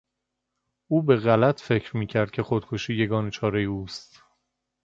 او به غلط فکر میکرد که خودکشی یگانه چارهی اوست.